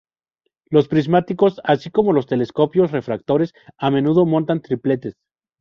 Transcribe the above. Los prismáticos, así como los telescopios refractores, a menudo montan tripletes.